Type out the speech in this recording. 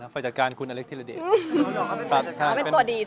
ฝ่ายจัดการคุณอเล็กซ์ธิระเด็ก